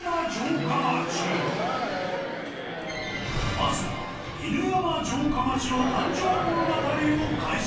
まずは犬山城下町の誕生物語を解説。